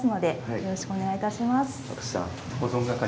よろしくお願いします。